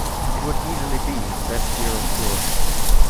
It would easily be his best year on tour.